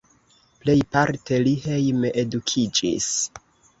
Plejparte li hejme edukiĝis.